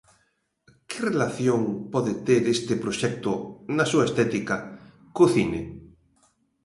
Que relación pode ter este proxecto, na súa estética, co cine?